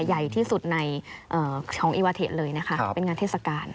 ใหญ่ที่สุดในของอีวาเทจเลยนะคะเป็นงานเทศกาล